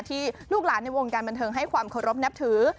ลูกหลานในวงการบันเทิงให้ความเคารพนับถือ